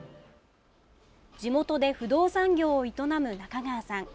地元で不動産業を営む中川さん。